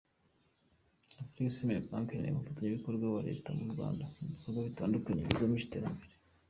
Afrexim Bank ni umufatanyabikorwa wa Leta y’u Rwanda mu bikorwa bitandukanye bigamije iterambere.